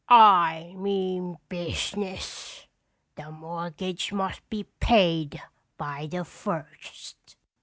I mean business. The mortgage must be paid by the first."